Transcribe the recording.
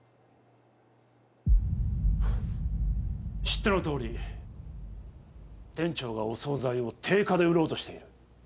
知ってのとおり店長がお総菜を定価で売ろうとしている。